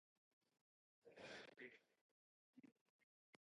提供您签署的授权代理书面声明副本；